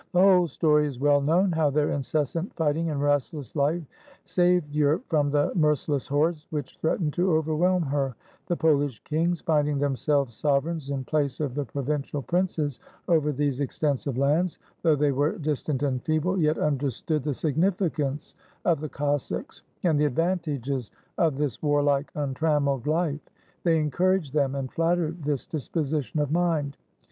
The whole story is well known, how their incessant fighting and restless life saved Europe from the merci less hordes which threatened to overwhelm her. The Polish kings, finding themselves sovereigns in place of the provincial princes, over these extensive lands, though they were distant and feeble, yet understood the significance of the Cossacks, and the advantages of this warlike, untrammeled life. They encouraged them, and flattered this disposition of mind.